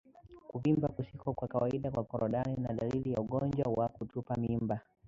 Kuvimba kusiko kwa kawaida kwa korodani ni dalili ya ugonjwa wa kutupa mimba